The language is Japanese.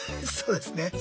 そうですね。